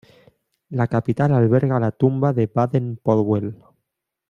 La capital alberga la tumba de Baden-Powell.